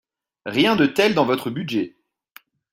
Rien de tel dans votre budget